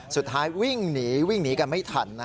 สุดท้ายวิ่งหนีกันไม่ถัน